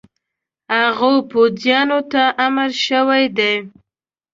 هغو پوځیانو ته امر شوی دی.